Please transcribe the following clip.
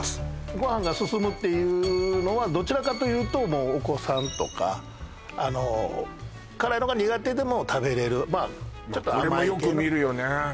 「ご飯がススム」っていうのはどちらかというともうお子さんとか辛いのが苦手でも食べられるちょっと甘い系これもよく見るよね